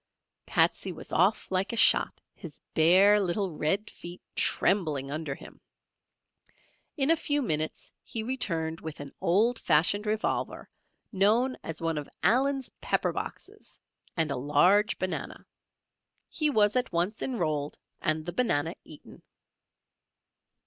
Patsey was off like a shot; his bare little red feet trembling under him. In a few minutes he returned with an old fashioned revolver known as one of "Allen's pepper boxes" and a large banana. He was at once enrolled and the banana eaten.